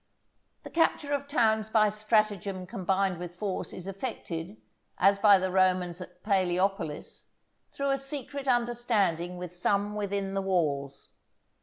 The capture of towns by stratagem combined with force is effected, as by the Romans at Palæopolis, through a secret understanding with some within the walls.